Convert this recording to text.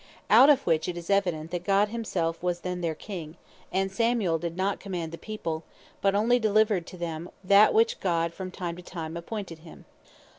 Out of which it is evident, that God himself was then their King; and Samuel did not command the people, but only delivered to them that which God from time to time appointed him.